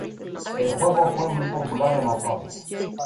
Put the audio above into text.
El juego fue muy popular en arcades.